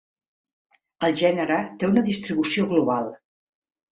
El gènere té una distribució global.